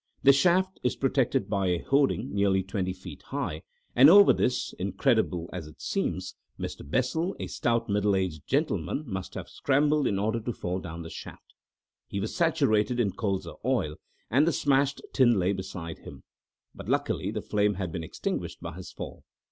The shaft is protected by a hoarding nearly 20 feet high, and over this, incredible as it seems, Mr. Bessel, a stout, middle aged gentleman, must have scrambled in order to fall down the shaft. He was saturated in colza oil, and the smashed tin lay beside him, but luckily the flame had been extinguished by his fall.